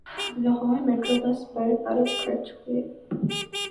Lahore metro bus پر ارب خرچ ہوئے